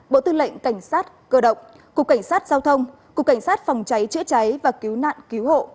bộ tư lệnh cảnh sát cơ động cục cảnh sát giao thông cục cảnh sát phòng cháy chữa cháy và cứu nạn cứu hộ